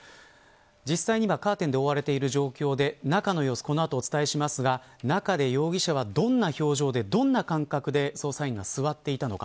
実際には、カーテンで覆われてる状況で中の様子この後お伝えしますが中で容疑者は、どんな表情でどんな間隔で捜査員が座っていたのか。